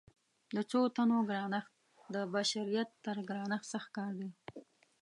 د څو تنو ګرانښت د بشریت تر ګرانښت سخت کار دی.